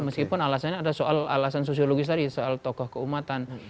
meskipun alasannya ada soal alasan sosiologis tadi soal tokoh keumatan